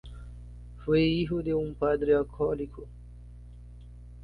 Fue hijo de un padre alcohólico.